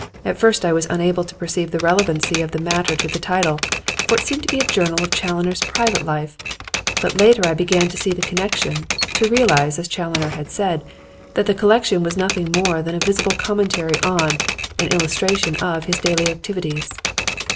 At first I was unable to perceive the relevancy of the matter to the title, for it seemed to be a journal of Challoner's private life; but later I began to see the connection, to realize, as Challoner had said, that the collection was nothing more than a visible commentary on and illustration of his daily activities.